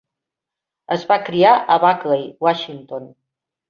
Es va criar a Buckley, Washington.